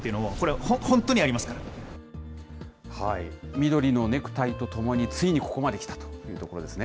緑のネクタイとともに、ついにここまで来たというところですね。